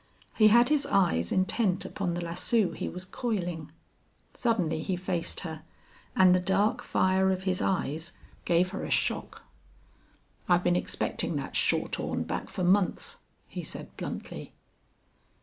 He had his eyes intent upon the lasso he was coiling. Suddenly he faced her and the dark fire of his eyes gave her a shock. I've been expecting that shorthorn back for months." he said, bluntly.